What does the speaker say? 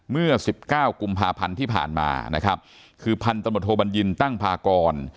เมื่อ๑๙กุมภาพันธ์ที่ผ่านมานะครับคือพันตำรวจโทบัญญินตั้งพากร